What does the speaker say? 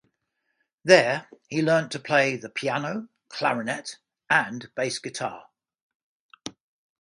There he learnt to play the piano, clarinet and bass guitar.